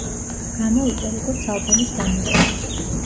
გამოვიდა, როგორც ალბომის დამატება.